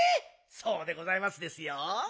そうでございますですよ。